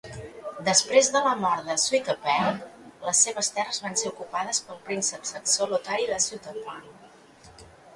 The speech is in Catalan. Després de la mort de Swietopelk, les seves terres van ser ocupades pel príncep saxó Lotari de Supplinburg.